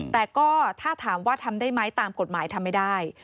แต่ก็ถ้าถามว่าทำได้ไหมตามกฎหมายทำไม่ได้